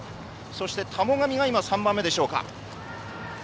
田母神が今３番目でしょうか。